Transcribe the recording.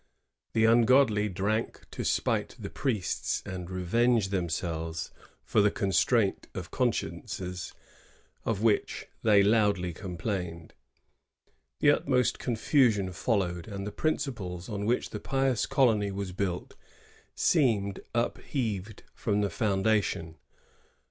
The ungodly drank to spite the priests and re venge themselves for the ^constraint of consciences," of which they loudly complained. The utmost con fusion followed, and the principles on which the pious colony was built seemed upheaved from the founda tion.